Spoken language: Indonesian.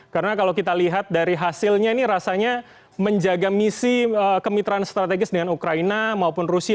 karena kalau kita lihat dari hasilnya ini rasanya menjaga misi kemitraan strategis dengan ukraina maupun rusia